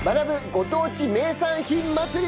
ご当地名産品祭り！